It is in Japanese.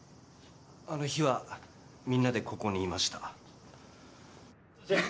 あの日はみんなでここにいました。